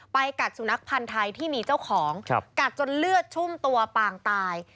กัดสุนัขพันธ์ไทยที่มีเจ้าของกัดจนเลือดชุ่มตัวปางตาย